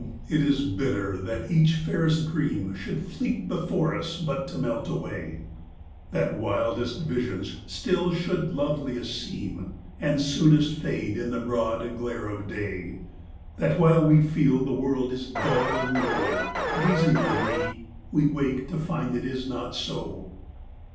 it is bitter, that each fairest dream Should fleet before us but to melt away ; That wildest visions still should loveliest seem And soonest fade in the broad glare of day : That while we feel the world is dull and low, Gazing on thee, we wake to find it is not so.